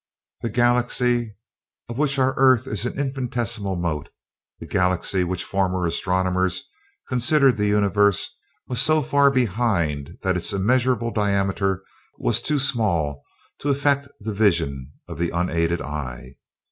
The Galaxy of which our Earth is an infinitesimal mote, the Galaxy which former astronomers considered the Universe, was so far behind that its immeasurable diameter was too small to affect the vision of the unaided eye.